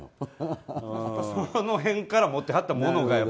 その辺から持ってはったものが。